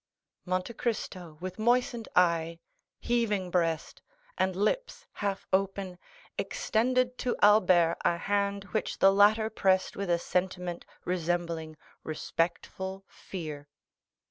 Monte Cristo, with moistened eye, heaving breast, and lips half open, extended to Albert a hand which the latter pressed with a sentiment resembling respectful fear.